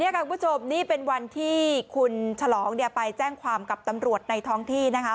คุณผู้ชมนี่เป็นวันที่คุณฉลองไปแจ้งความกับตำรวจในท้องที่นะคะ